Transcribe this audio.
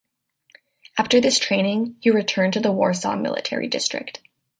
After this training, he returned to the Warsaw Military District.